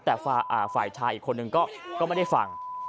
แต่ฝ่ายชายอีกคนนึงก็ไม่ได้ฟัง